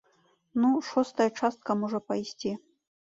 Ну, шостая частка можа пайсці.